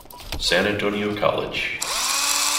San Antonio College.